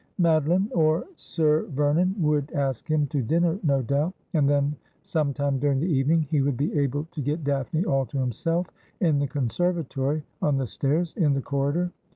Madeline, or Sir Vernon, would ask him to dinner, no doubt ; and then, some time during the evening, he would be able to get Daphne all to himself in the conservatory, on the stairs, in the corridor.